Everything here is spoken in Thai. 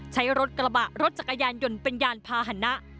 ใช้รถกระบะรถจักรยานยนต์เป็นยานพาหนะ